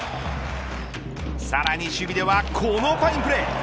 さらに守備ではこのファインプレー。